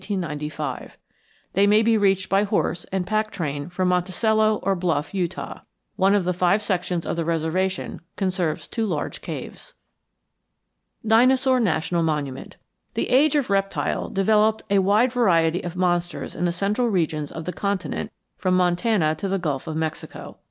They may be reached by horse and pack train from Monticello, or Bluff, Utah. One of the five sections of the reservation conserves two large caves. DINOSAUR NATIONAL MONUMENT The Age of Reptile developed a wide variety of monsters in the central regions of the continent from Montana to the Gulf of Mexico.